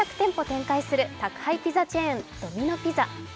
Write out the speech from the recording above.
展開する宅配ピザチェーン、ドミノ・ピザ。